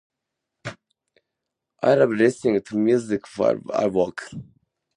I love listening to music while I work.